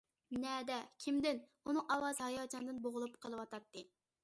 - نەدە، كىمدىن؟ ئۇنىڭ ئاۋازى ھاياجاندىن بوغۇلۇپ قىلىۋاتاتتى.